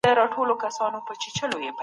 شاعرانو د ټولني انځور وړاندې کاوه.